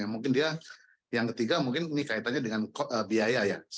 mungkin dia yang ketiga mungkin ini kaitannya dengan biaya ya